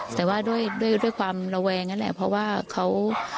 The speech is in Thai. แต่ว่าด้วยด้วยความระแวงนั่นแหละเพราะว่าเขา